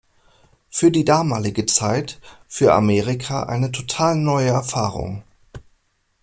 Für die damalige Zeit für Amerika eine total neue Erfahrung.